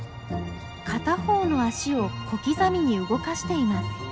片方の足を小刻みに動かしています。